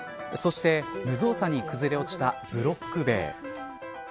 そして無造作に崩れ落ちたブロック塀。